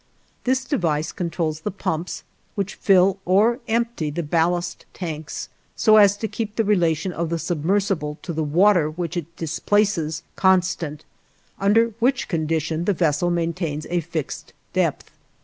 This device controls the pumps which fill or empty the ballast tanks, so as to keep the relation of the submersible to the water which it displaces constant, under which condition the vessel maintains a fixed depth.